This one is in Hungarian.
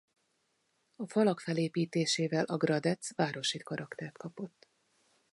A falak felépítésével a Gradec városi karaktert kapott.